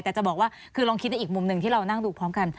แต่จะบอกว่าคือลองคิดในอีกมุมหนึ่งที่เรานั่งดูพร้อมกัน